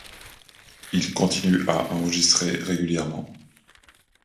Ils continuent à enregistrer régulièrement.